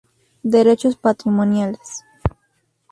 Derechos Patrimoniales.